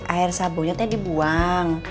air sabunnya ternyata dibuang